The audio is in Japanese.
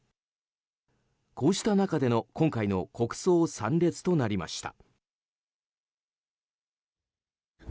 こうした中での今回の国葬参列となりました。